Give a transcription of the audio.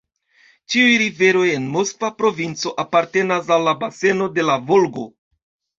Ĉiuj riveroj en Moskva provinco apartenas al la baseno de la Volgo.